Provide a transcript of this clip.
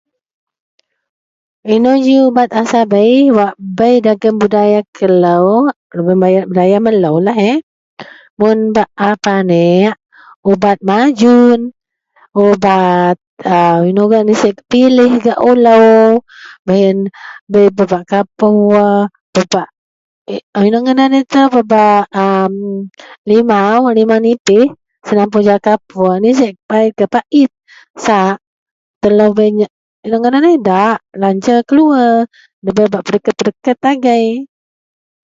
Inou ji wak ubat a sabei wak bei dagen budaya kelou? Lubeang bu budaya meloulah eheh. Mun bak a paneak ubat majum, ubat a inou ngadan ubat sek pilih gak ulou. Bah yen bei pebak kapuor, pebak inou ngadan itou pebak a limau, limau nipih senapuor jegem kapuor, nesek gak pait se telou bei inou ngadan yen daak lancer keluwer. Ndabei bak pedeket-pedeket agei.